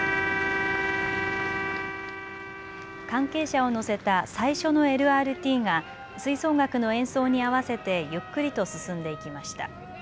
関係者を乗せた最初のＬＲＴが吹奏楽の演奏に合わせてゆっくりと進んでいきました。